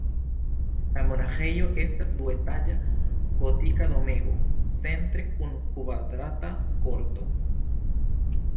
La monaĥejo estas duetaĝa gotika domego, centre kun kvadrata korto.